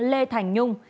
lê thành nhung